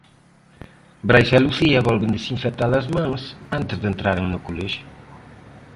Brais e Lucía volven desinfectar as mans antes de entraren no colexio.